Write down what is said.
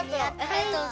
ありがとう。